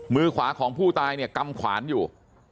มือขวาของผู้ตายเนี่ยกำขวานอยู่